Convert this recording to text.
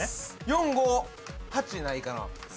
４５８ないかな？